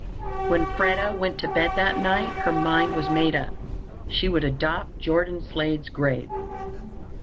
When Freda went to bed that night her mind was made up. She would adopt Jordan Slade's grave.